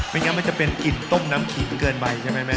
งั้นมันจะเป็นกลิ่นต้มน้ำขิงเกินไปใช่ไหมแม่